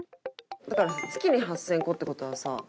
だから月に８０００個って事はさ